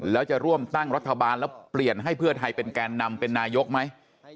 แล้วจะร่วมตั้งรัฐบาลแล้วเปลี่ยนให้เพื่อไทยเป็นแกนนำเป็นนายกไหม